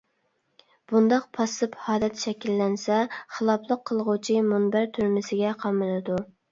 بۇنداق پاسسىپ ھالەت شەكىللەنسە خىلاپلىق قىلغۇچى مۇنبەر تۈرمىسىگە قامىلىدۇ.